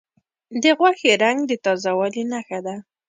د غوښې رنګ د تازه والي نښه ده.